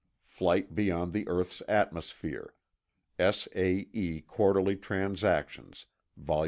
("Flight beyond the Earth's Atmosphere, "S.A.E. Quarterly Transactions, Vol.